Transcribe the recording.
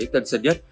tân sơn nhất